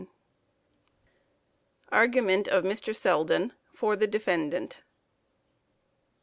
_ ARGUMENT OF MR. SELDEN FOR THE DEFENDANT.